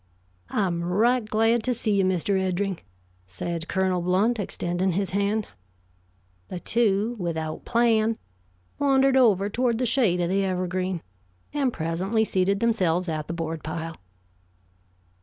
"I'm right glad to see you, Mr. Eddring," said Colonel Blount, extending his hand. The two, without plan, wandered over toward the shade of the evergreen, and presently seated themselves at the board pile.